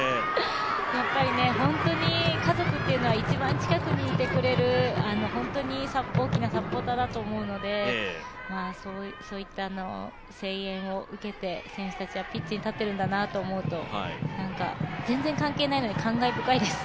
やっぱり本当に家族というのは一番近くにいてくれる本当に大きなサポーターだと思うので、そういった声援を受けて選手たちはピッチに立ってるんだなと思うと全然関係ないのに感慨深いです。